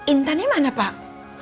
intannya mana pak